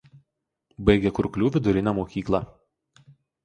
Baigė Kurklių vidurinę mokyklą.